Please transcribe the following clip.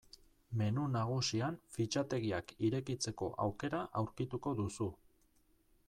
Menu nagusian fitxategiak irekitzeko aukera aurkituko duzu.